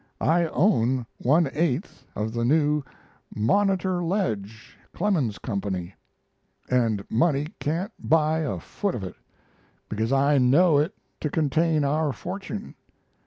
I own one eighth of the new "Monitor Ledge, Clemens Company," and money can't buy a foot of it; because I know it to contain our fortune.